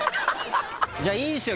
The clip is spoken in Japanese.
じゃあいいっすよ。